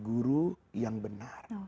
guru yang benar